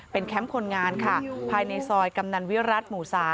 แคมป์คนงานค่ะภายในซอยกำนันวิรัติหมู่๓